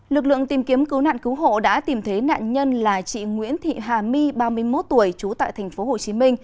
lực lượng tìm kiếm cứu nạn cứu hộ đã tìm thấy nạn nhân là chị nguyễn thị hà my ba mươi một tuổi trú tại tp hcm